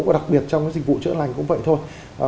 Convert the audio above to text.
và đặc biệt trong cái dịch vụ chữa lành cũng vậy thôi